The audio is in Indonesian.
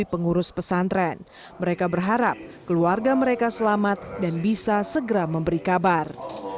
pengurus pesantren mereka berharap keluarga mereka selamat dan bisa segera memberi kabar